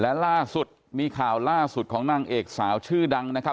และล่าสุดมีข่าวล่าสุดของนางเอกสาวชื่อดังนะครับ